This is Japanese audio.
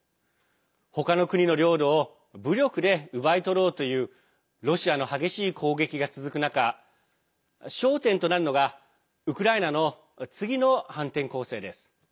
他の国の領土を武力で奪い取ろうというロシアの激しい攻撃が続く中焦点となるのがウクライナの次の反転攻勢です。